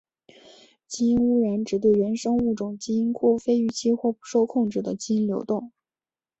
基因污染指对原生物种基因库非预期或不受控制的基因流动。